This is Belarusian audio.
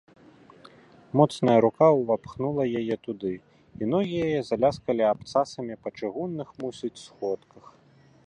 Моцная рука ўвапхнула яе туды, і ногі яе заляскалі абцасамі па чыгунных, мусіць, сходках.